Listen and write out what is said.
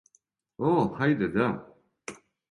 Ох, хајде, да.